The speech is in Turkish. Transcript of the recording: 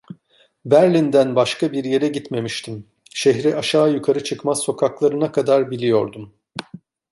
Berlin'den başka bir yere gitmemiştim, şehri aşağı yukarı çıkmaz sokaklarına kadar biliyordum.